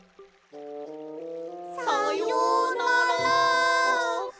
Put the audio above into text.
さようなら！